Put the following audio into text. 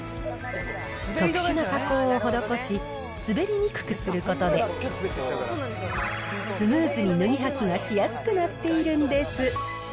特殊な加工を施し、滑りにくくすることで、スムーズに脱ぎ履きがしやすくなっているんです。